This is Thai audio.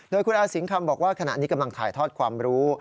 โดยคุณอาสิงคำบอกว่าขณะนี้กำลังถ่ายทอดความรู้